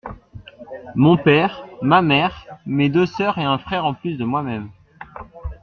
Mon père, ma mère, mes deux sœurs et un frère en plus de moi-même.